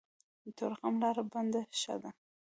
د تورخم لاره بنده ښه ده.